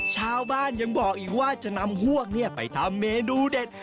ชาวบ้านยังบอกอีกว่าจะนำพวกไปทำเมนูเด็ด